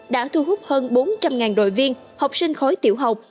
đã thu hút hơn bốn trăm linh đội viên học sinh khối tiểu học